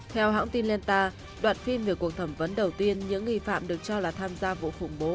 theo hãng tin lenta đoạn phim về cuộc thẩm vấn đầu tiên những nghi phạm được cho là tham gia vụ khủng bố